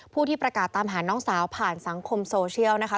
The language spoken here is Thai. ผู้ที่ประกาศตามหาน้องสาวผ่านสังคมโซเชียลนะคะ